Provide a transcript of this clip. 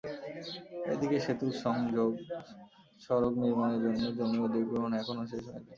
এদিকে সেতুর সংযোগ সড়ক নির্মাণের জন্য জমি অধিগ্রহণ এখনো শেষ হয়নি।